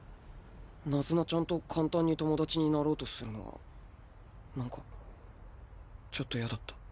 ナズナちゃんと簡単に友達になろうとするのは何かちょっとやだった。